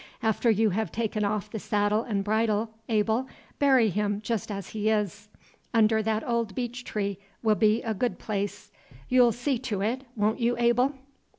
After you have taken off the saddle and bridle, Abel, bury him just as he is. Under that old beech tree will be a good place. You'll see to it, won't you, Abel?"